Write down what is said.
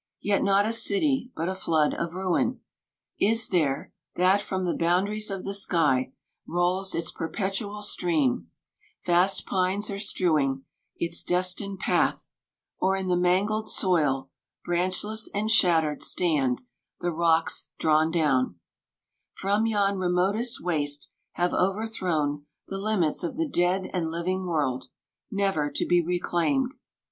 Yet not a city, but a flood of min Is there, that from the boundaries of the sky Rolls its perpetual stream , vast pines are strewing Its destined path, or in the mangled soil Branchless and shattered stand 5 the rocks, drawn down From yon remotest waste, have overthrown The limits of the dead and living world, Never to be reclaimed.